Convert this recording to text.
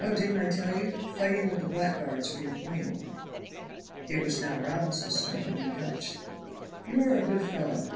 didn't I tell you? Fighting with the blackguards for your claim." It was now Robinson's turn to be touched. "You are a good fellow.